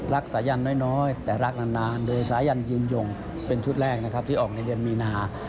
สายันน้อยแต่รักนานโดยสายันยืนหย่งเป็นชุดแรกนะครับที่ออกในเดือนมีนา